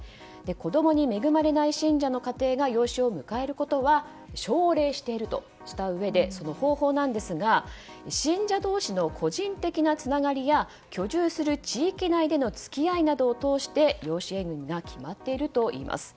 子供に恵まれない信者の家庭が養子を迎えることは奨励しているとしたうえでその方法ですが信者同士の個人的なつながりや居住する地域内での付き合いなどを通して養子縁組が決まっているといいます。